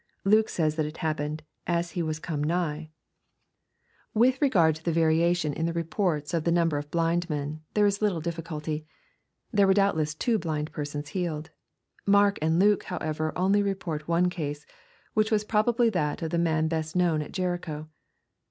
Luke flays th^t it happened. " as IIo was come nigh." 288 EXPOSITORY THOUGHTS. With regard to the variatiou in the reports of the number cf blind men, there is little difficulty. There were doubtless two blind persons healed. Mark and Luke, however, only report one case, which was probably that of the man best known at Jericho.